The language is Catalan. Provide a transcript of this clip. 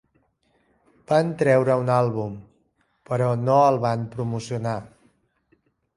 Van traure un àlbum, però no el van promocionar.